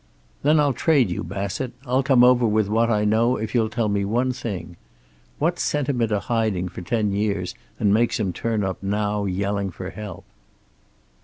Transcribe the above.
"Then I'll trade you, Bassett. I'll come over with what I know, if you'll tell me one thing. What sent him into hiding for ten years, and makes him turn up now, yelling for help?"